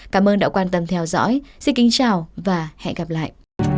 cảm ơn đã quan tâm theo dõi xin kính chào và hẹn gặp lại